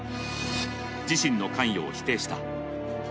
自身の関与を否定した。